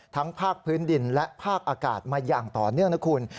ภาคพื้นดินและภาคอากาศมาอย่างต่อเนื่องนะคุณ